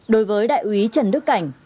đối với đại quý trần đức cảnh